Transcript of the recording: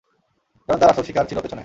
কারণ তার আসল শিকার ছিল পেছনে।